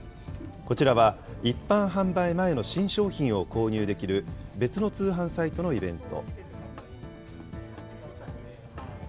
こちらは、一般販売前の新商品を購入できる別の通販サイトのイベント。